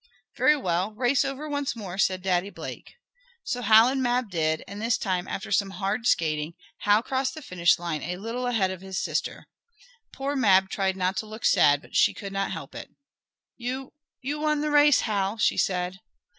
"Very well, race over once more," said Daddy Blake. So Hal and Mab did, and this time, after some hard skating, Hal crossed the finish line a little ahead of his sister. Poor Mab tried not to look sad but she could not help it. "You you won the race, Hal," she said.